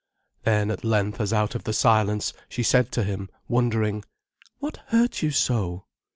Then at length, as out of the silence, she said to him, wondering: "What hurt you so?"